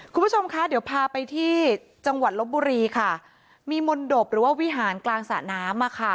คุณผู้ชมคะเดี๋ยวพาไปที่จังหวัดลบบุรีค่ะมีมนตบหรือว่าวิหารกลางสระน้ำอ่ะค่ะ